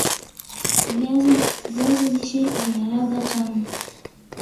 viazi lishe vina ladha tamu